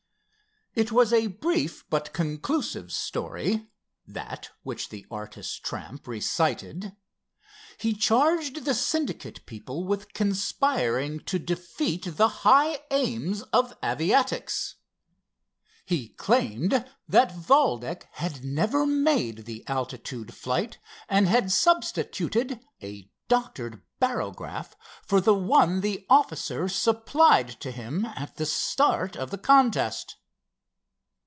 It was a brief but conclusive story—that which the artist tramp recited. He charged the Syndicate people with conspiring to defeat the high aims of aviatics. He claimed that Valdec had never made the altitude flight and had substituted a "doctored" barograph for the one the officers supplied to him at the start of the contest.